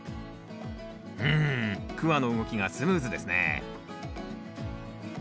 うんクワの動きがスムーズですね